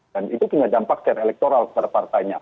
dan itu punya dampak secara elektoral pada partainya